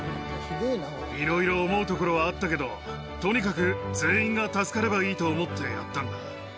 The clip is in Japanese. いろいろ思うところはあったけど、とにかく全員が助かればいいと思ってやったんだ。